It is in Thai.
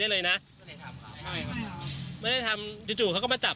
แล้วก็มันไม่ใช่ของพวกผมครับ